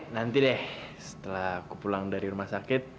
nanti deh setelah aku pulang dari rumah sakit